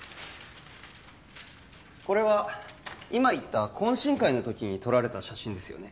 これは今言った懇親会のときに撮られた写真ですよね？